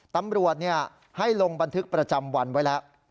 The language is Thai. ตำรวจให้ลงบันทึกประจำวันไว้แล้ว